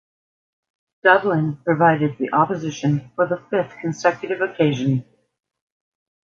Dublin provided the opposition for the fifth consecutive occasion.